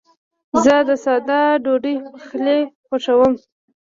زه د ساده ډوډۍ پخلی خوښوم.